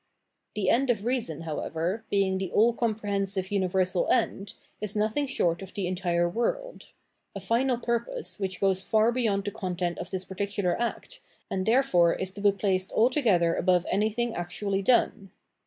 The end of reason, however, being the all comprehensive universal end, is nothing short of the entire world — a final purpose which goes far beyond the content of this particular act, and therefore is to be placed altogether above anything actually done.